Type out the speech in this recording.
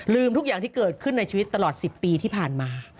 ทุกอย่างที่เกิดขึ้นในชีวิตตลอด๑๐ปีที่ผ่านมา